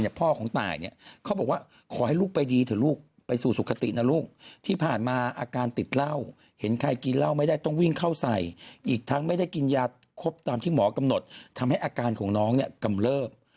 พ่อของตายเนี่ยเขาบอกว่าขอให้ลูกไปดีเถอะลูกไปสู่สุขตินะลูกที่ผ่านมาอาการติดเหล้าเห็นใครกินเหล้าไม่ได้ต้องวิ่งเข้าใส่อีกทั้งไม่ได้กินยาครบตามที่หมอกำหนดทำให้อาการของน้องเนี่ยกำเลิบ